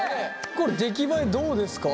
これ出来栄えどうですか？